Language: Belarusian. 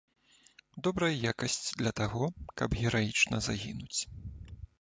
Добрая якасць для таго, каб гераічна загінуць.